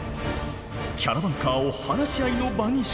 キャラバンカーを話し合いの場にしたい！